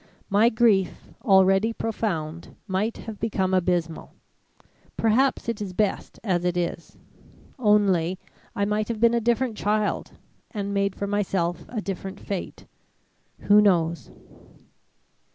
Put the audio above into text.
my grief, already profound, might have become abysmal. Perhaps it is best as it is; only, I might have been a different child, and made for myself a different fate who knows.